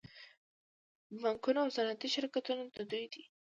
بانکونه او صنعتي شرکتونه د دوی دي